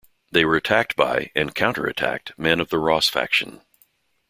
They were attacked by, and counterattacked, men of the Ross faction.